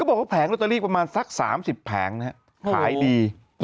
บอกว่าแผงลอตเตอรี่ประมาณสัก๓๐แผงนะฮะขายดี